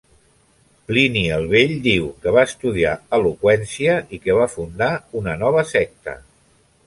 Plini el Vell diu que va estudiar eloqüència i que va fundar una nova secta.